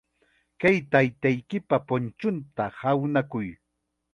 Kay taytaykipa punchunta hawnakuy.